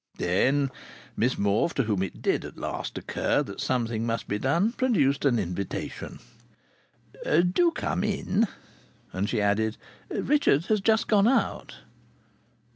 Then Miss Morfe, to whom it did at last occur that something must be done, produced an invitation: "Do come in!" And she added, "Richard has just gone out."